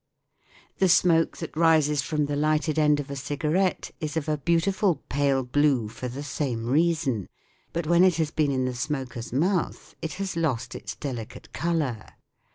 The smoke that rises from the lighted end of a cigarette is of a beautiful pale blue for the same reason, but when it has been in the smoker's mouth it has lost its delicate colour.